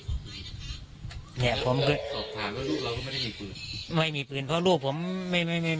เนี่ยผมก็สอบถามว่าลูกเราก็ไม่ได้มีปืนไม่มีปืนเพราะลูกผมไม่ไม่